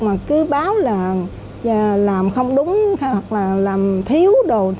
mà cứ báo là làm không đúng hoặc là làm thiếu đồ